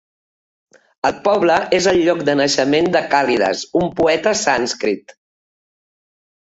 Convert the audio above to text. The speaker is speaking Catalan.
El poble és el lloc de naixement de Kalidas, un poeta sànscrit.